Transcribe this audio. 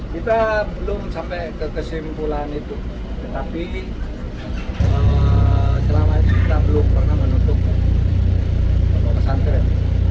kita belum sampai ke kesimpulan itu tetapi selama ini kita belum pernah menutup pondok pesantren